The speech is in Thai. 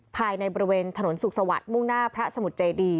ภายในบริเวณถนนสุขสวัสดิ์มุ่งหน้าพระสมุทรเจดี